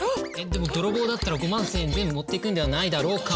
でも泥棒だったら５万１，０００円全部持っていくんではないだろうか。